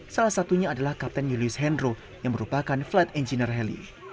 salah satunya adalah kapten julius hendro yang merupakan flight engineer heli